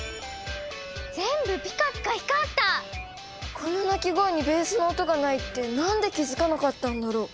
この鳴き声にベースの音がないってなんで気づかなかったんだろう。